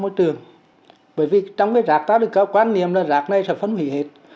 mỗi trường bởi vì trong cái rạc ta được có quan niệm là rạc này sẽ phân hủy hết